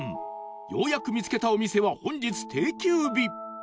ようやく見つけたお店は本日定休日